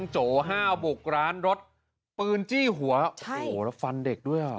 โจห้าวบุกร้านรถปืนจี้หัวโอ้โหแล้วฟันเด็กด้วยอ่ะ